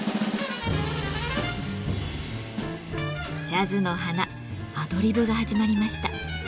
ジャズの花アドリブが始まりました。